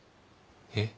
えっ。